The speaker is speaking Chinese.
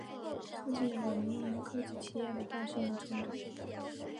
促进了民营科技企业的诞生和成长。